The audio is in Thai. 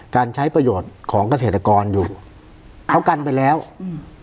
การใช้ประโยชน์ของเกษตรกรอยู่เขากันไปแล้วอืม